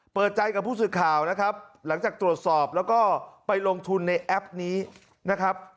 เปิดใจกับผู้สื่อข่าวนะครับหลังจากตรวจสอบแล้วก็ไปลงทุนในแอปนี้นะครับ